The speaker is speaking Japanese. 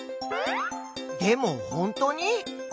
でもほんとに？